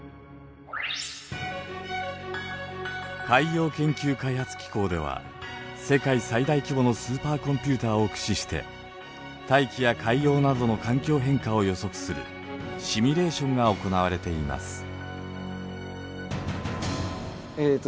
海洋研究開発機構では世界最大規模のスーパーコンピューターを駆使して大気や海洋などの環境変化を予測するシミュレーションが行われています。